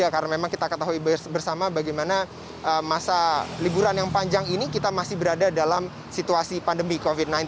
karena memang kita ketahui bersama bagaimana masa liburan yang panjang ini kita masih berada dalam situasi pandemi covid sembilan belas